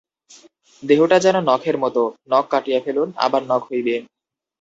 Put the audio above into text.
দেহটা যেন নখের মত, নখ কাটিয়া ফেলুন, আবার নখ হইবে।